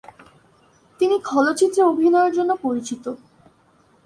তিনি খলচরিত্রে অভিনয়ের জন্য পরিচিত।